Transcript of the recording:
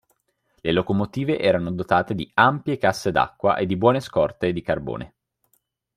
Le locomotive erano dotate di ampie casse d'acqua e di buone scorte di carbone.